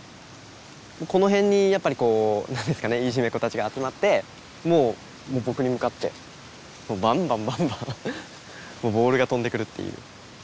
この辺にやっぱりこう何ですかねいじめっ子たちが集まってもう僕に向かってバンバンバンバンもうボールが飛んでくるっていう。